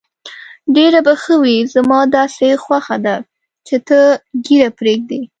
ډېر به ښه وي، زما داسې خوښه ده چې ته ږیره پرېږدې.